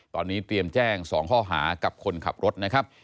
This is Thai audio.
ตอนนี้เตรียมแจ้ง๒ข้อหากับคนขับรถนะครับ